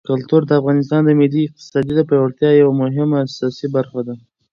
کلتور د افغانستان د ملي اقتصاد د پیاوړتیا یوه مهمه او اساسي برخه ده.